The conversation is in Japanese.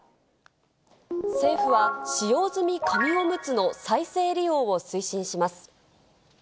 政府は、使用済み紙おむつの再生利用を推進します。